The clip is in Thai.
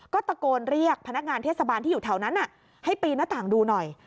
ก็ตะโกนเรียกพนักงานเทศบาลที่อยู่แถวนั้นให้ปีนหน้าต่างดูหน่อย